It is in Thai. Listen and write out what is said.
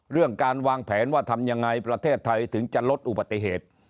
เรื่องการวางแผนว่าทำยังไงประเทศไทยถึงจะลดอุบัติเหตุ